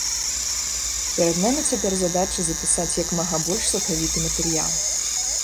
Перад намі цяпер задача, запісаць як мага больш сакавіты матэрыял.